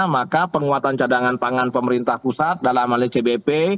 maka penguatan cadangan pangan pemerintah pusat dalam hal lcbp